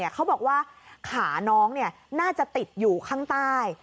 เขาบอกว่าขาน้องน่าจะติดอยู่ข้างใต้